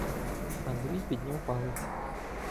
Андрій підняв палець.